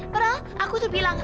padahal aku tuh bilang